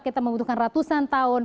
kita membutuhkan ratusan tahun